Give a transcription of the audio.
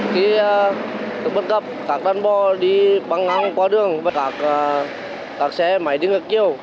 khi bất gặp các đàn bò đi băng ngang qua đường các xe máy đi ngược chiều